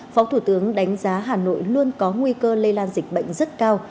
phó thủ tướng đánh giá hà nội luôn có nguy cơ lây lan dịch bệnh rất cao